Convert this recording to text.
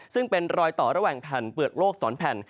ซึ่งเป็นรอยต่อระหว่างแผ่นเปลือกโลกสอนแผ่น